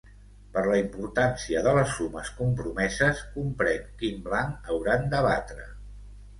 Per la importància de les sumes compromeses, comprèn quin blanc hauran d'abatre.